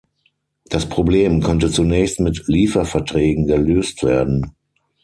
Das Problem könnte zunächst mit Lieferverträgen gelöst werden.